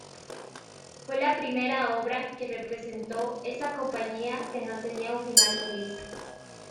Fue la primera obra que representó esa compañía que no tenía un final feliz.